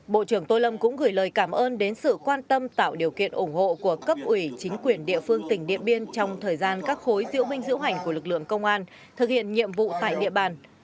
bộ trưởng tô lâm cũng gửi lời cảm ơn đến sự quan tâm tạo điều kiện ủng hộ của cấp ủy chính quyền địa phương tỉnh điện biên trong thời gian các khối diễu binh diễu hành của lực lượng công an thực hiện nhiệm vụ tại địa bàn